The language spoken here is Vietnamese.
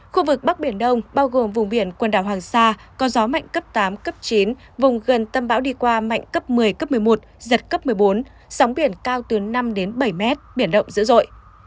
khu vực bắc biển đông bao gồm vùng biển quần đảo hoàng sa có gió mạnh cấp tám cấp chín vùng gần tâm bão đi qua mạnh cấp một mươi cấp một mươi một giật cấp một mươi bốn sóng biển cao từ năm đến bảy mét biển động dữ dội